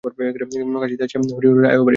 কাশীতে আসিয়া হরিহরের আয়ও বাড়িল।